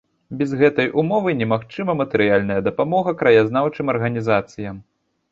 Без гэтай умовы немагчыма матэрыяльная дапамога краязнаўчым арганізацыям.